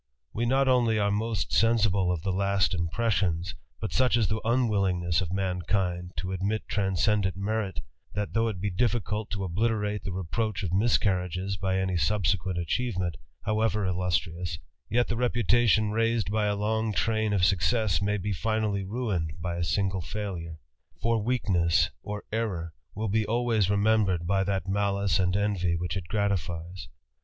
/ We not only are most sensible of the last impressions, / such is the unwillingness of mankind to admit transcend merit, that, though it be difficult to obliterate the repro{ Of miscarriages by any subsequent achievement, howe illustrious, yet the reputation raised by a long train success may be finally ruined by a single failure ; for we ness or error will be always remembered by that malice a envy which it gratifies.